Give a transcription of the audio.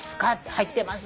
入ってます。